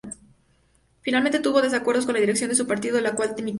Finalmente tuvo desacuerdos con la dirección de su partido, de la cual dimitió.